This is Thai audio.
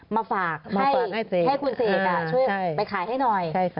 มาฝากให้คุณเสกช่วยไปขายให้หน่อย